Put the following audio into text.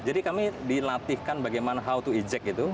jadi kami dilatihkan bagaimana how to ejek itu